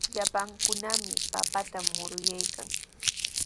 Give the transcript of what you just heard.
Llapankunami papata muruykaayan.